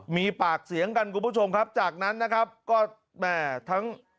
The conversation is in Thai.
มีปากเสียงกันคุณผู้ชมครับจากนั้นนะครับก็แม่ทั้ง